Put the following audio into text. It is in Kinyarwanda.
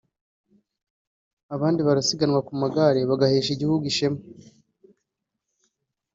abandi barasiganwa ku magare bagahesha igihugu ishema